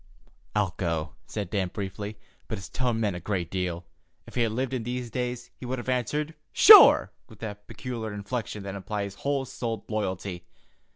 "I'll go," said Dan briefly, but his tone meant a great deal. If he had lived in these days, he would have answered "Sure!" with that peculiar inflection that implies whole souled loyalty.